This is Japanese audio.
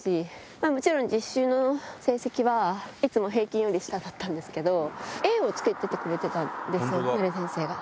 もちろん、実習の成績はいつも平均より下だったんですけど、Ａをつけてくれてたんですよ、ナレ先生は。